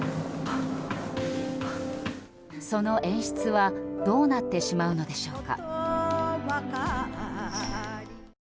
その演出はどうなってしまうのでしょうか。